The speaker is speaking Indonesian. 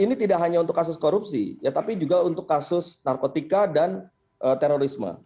ini tidak hanya untuk kasus korupsi ya tapi juga untuk kasus narkotika dan terorisme